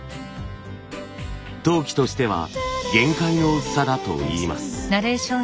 陶器としては限界の薄さだといいます。